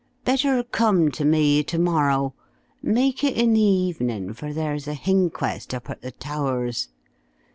Better come to me to morrow. Make it in the evening for there's a h'inquest up at the Towers.